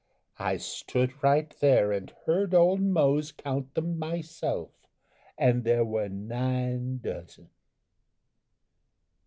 I stood right there and heard Old Mose count them myself, and there were nine dozen."